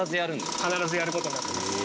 必ずやることになってます。